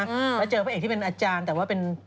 แล้วเจอพระเอกที่เป็นอาจารย์แต่ว่าเป็น